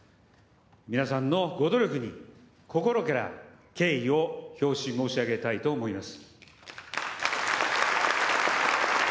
皆さんのご努力に心から敬意を表し申し上げたいと思います。